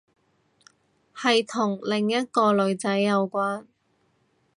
係同另一個女仔有關